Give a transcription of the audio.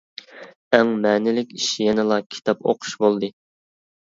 ئەڭ مەنىلىك ئىش يەنىلا كىتاب ئوقۇش بولدى.